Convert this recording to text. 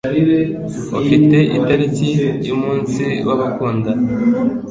Ufite itariki yumunsi w'abakundana?